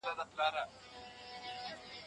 هغه کسان چي کمپیوټر نلري څه وکړي؟